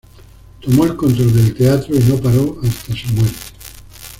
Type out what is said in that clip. Tomó el control del teatro y no paró hasta su muerte.